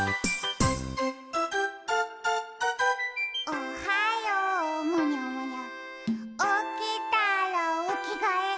「おはようむにゃむにゃおきたらおきがえ」